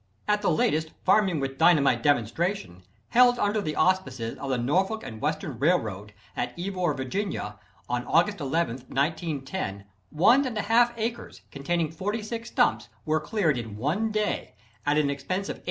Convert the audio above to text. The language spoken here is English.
At the latest "Farming with Dynamite" demonstration, held under the auspices of the Norfolk and Western Railroad, at Ivor, Va., on August 11, 1910, one and one half acres, containing forty six stumps were cleared in one day, at an expense of $18.